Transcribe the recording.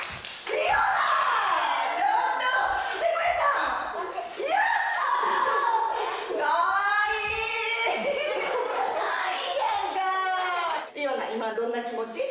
理央奈、今、どんな気持ち？